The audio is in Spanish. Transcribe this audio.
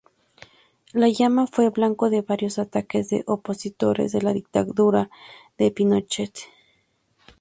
La llama fue blanco de varios ataques de opositores de la dictadura de Pinochet.